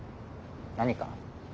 何か？